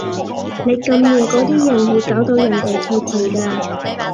你禁言嗰啲人會搞到人哋退群嘅